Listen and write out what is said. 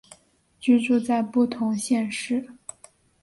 居住在不同县市